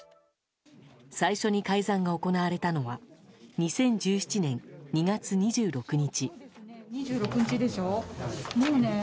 最初に改ざんが行われたのは２０１７年２月１６日。